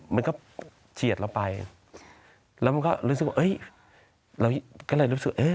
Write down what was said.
มันก็เฉียดเราไปแล้วมันก็รู้สึกว่าเราก็เลยรู้สึกเอ๊ะ